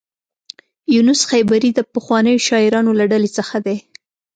یونس خیبري د پخوانیو شاعرانو له ډلې څخه دی.